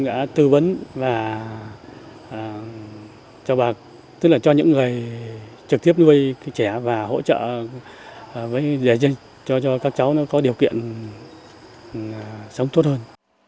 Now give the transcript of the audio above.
xã hội thì trung tâm cũng đã tư vấn và cho những người trực tiếp nuôi trẻ và hỗ trợ cho các cháu có điều kiện sống tốt hơn